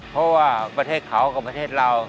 เพราะว่าประเทศเขากับประเทศเรา